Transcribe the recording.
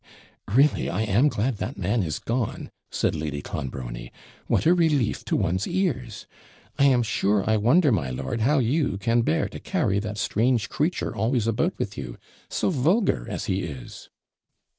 'Really, I am glad that man is gone,' said Lady Clonbrony. 'What a relief to one's ears! I am sure I wonder, my lord, how you can bear to carry that strange creature always about with you so vulgar as he is.'